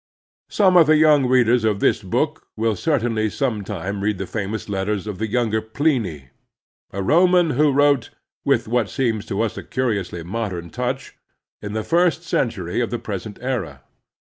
Some of the younger readers of this book will certainly sometime read the famous letters of the younger Pliny, a Roman who wrote, with what seems to us a curiously modem touch, in the first century of the present era.